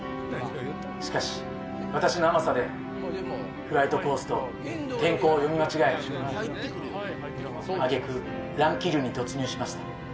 しかし私の甘さでフライトコースと天候を読み間違え挙げ句乱気流に突入しました。